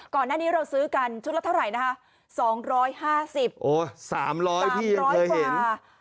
ก่อนหน้านี้เราซื้อกันชุดละเท่าไหร่นะครับ๒๕๐โอ้๓๐๐พี่เหมือนเคยเห็น